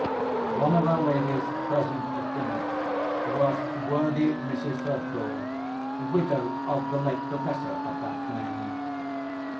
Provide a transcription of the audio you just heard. One of our ladies present at dinner was worthy Mrs. Threadgall, widow of the late Professor of that name.